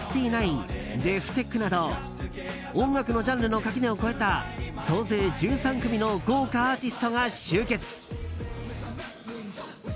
ＤｅｆＴｅｃｈなど音楽のジャンルの垣根を超えた総勢１３組の豪華アーティストが集結。